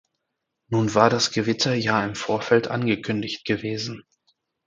Nun war das Gewitter ja im Vorfeld angekündigt gewesen.